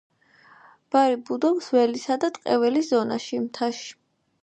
ბარი ბუდობს ველისა და ტყე-ველის ზონაში, მთაში.